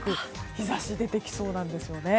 日差しが出てきそうなんですね。